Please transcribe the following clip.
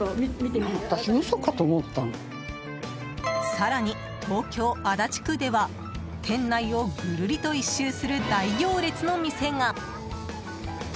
更に、東京・足立区では店内をぐるりと１周する大行列の店が。